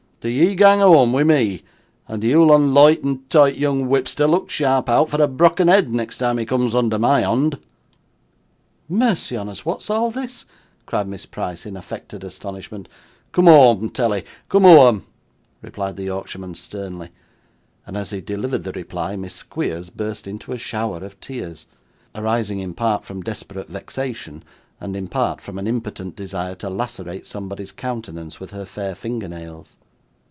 Do ye gang whoam wi' me, and do yon loight an' toight young whipster look sharp out for a brokken head, next time he cums under my hond.' 'Mercy on us, what's all this?' cried Miss Price, in affected astonishment. 'Cum whoam, tell 'e, cum whoam,' replied the Yorkshireman, sternly. And as he delivered the reply, Miss Squeers burst into a shower of tears; arising in part from desperate vexation, and in part from an impotent desire to lacerate somebody's countenance with her fair finger nails.